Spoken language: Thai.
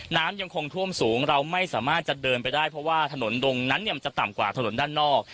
น้ำยังคงท่วมสูงเราไม่สามารถจะเดินไปได้เพราะว่าถนนตรงนั้นเนี่ยมันจะต่ำกว่าถนนด้านนอก